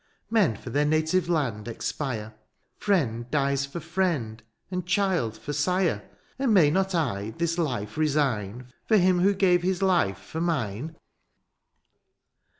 " Men for their native land expire ;" Friend dies for friend, and child for sire ;'^ And may not I this life resign " For him who gave his life for mine